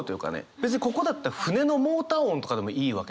別にここだって船のモーター音とかでもいいわけで。